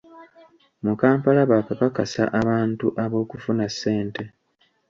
Mu Kampala baakakakasa abantu ab’okufuna ssente.